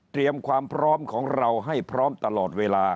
ความพร้อมของเราให้พร้อมตลอดเวลา